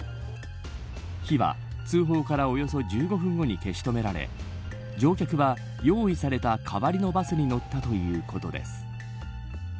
火は通報からおよそ１５分後に消し止められ乗客は、用意された代わりのバスに乗ったということです。